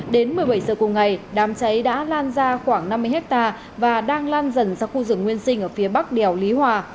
đến một mươi bảy giờ cùng ngày đám cháy đã lan ra khoảng năm mươi hectare và đang lan dần ra khu rừng nguyên sinh ở phía bắc đèo lý hòa